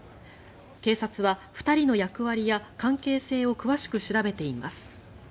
警察は２人の役割や関係性を詳しく調べています。